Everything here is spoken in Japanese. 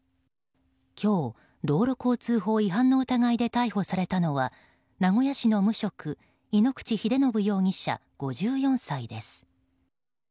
今日、道路交通法違反の疑いで逮捕されたのは名古屋市の無職イノクチ容疑者５４歳です。